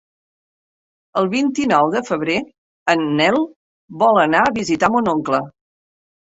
El vint-i-nou de febrer en Nel vol anar a visitar mon oncle.